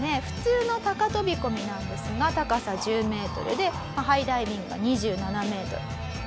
普通の高飛込なんですが高さ１０メートルでハイダイビングが２７メートル。